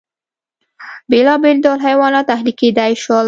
بېلابېل ډول حیوانات اهلي کېدای شول.